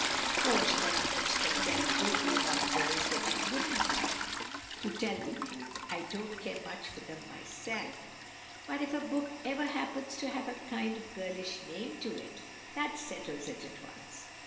Of course there are books that tell only about girls that you wouldn't like. To tell the truth, I don't care much for them myself; but if a book ever happens to have a kind of girlish name to it, that settles it at once.